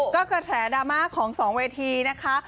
ก็กระแสดราม่าของสองเวทีนะคะ